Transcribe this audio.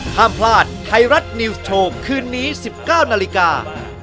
ห้ามพลาดไทรัตนิวโทปคืนนี้๑๙นาฬิกา